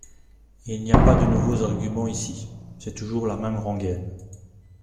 Il n’y a pas de nouveaux arguments ici : c’est toujours la même rengaine.